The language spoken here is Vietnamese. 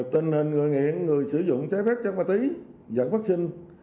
tình hình người nghiện người sử dụng trái phép chất ma túy dẫn vắc xin